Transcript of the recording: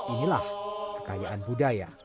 inilah kekayaan budaya